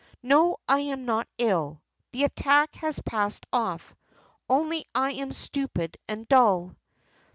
No, I am not ill. The attack has passed off, only I am stupid and dull."